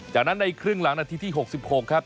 จากนั้นในครึ่งหลังนาทีที่๖๖ครับ